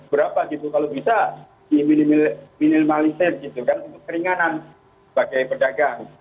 berapa gitu kalau bisa di minimalisir gitu kan untuk keringanan bagai pedagang